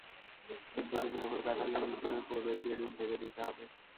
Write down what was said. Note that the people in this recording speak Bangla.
সেদ্ধ ডিমের ওপর কাঁঠালের মিশ্রণের প্রলেপ দিয়ে ডিম ঢেকে দিতে হবে।